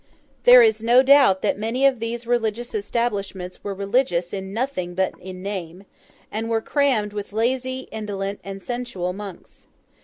There is no doubt that many of these religious establishments were religious in nothing but in name, and were crammed with lazy, indolent, and sensual monks.